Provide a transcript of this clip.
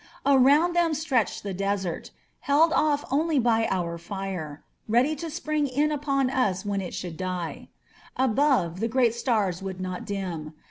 Aroimd them stretched the desert, held off only by our fire, ready to spring in upon us when it should die. Above the great stars would not dim.